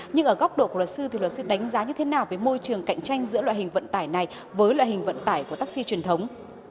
nhưng ở góc độ của luật sư thì luật sư đánh giá như thế nào về môi trường cạnh tranh giữa loại hình vận tải này với loại hình vận tải của taxi truyền thống